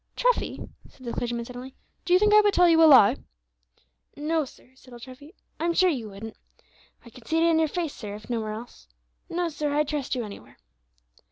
"Treffy," said the clergyman, suddenly, "do you think I would tell you a lie?" "No, sir," said old Treffy; "I'm sure you wouldn't; I could see it in your face, sir, if nowhere else. No, sir, I'd trust you anywhere."